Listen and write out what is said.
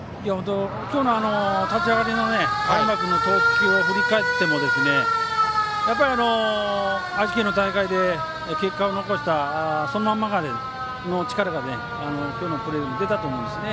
今日の立ち上がりの有馬君の投球を振り返っても愛知県の大会で結果を残したそのままの力が今日のプレーに出たと思いますね。